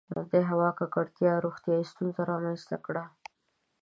• د هوا ککړتیا روغتیایي ستونزې رامنځته کړې.